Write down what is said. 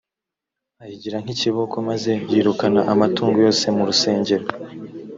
ayigira nk ikiboko maze yirukana amatungo yose mu rusengero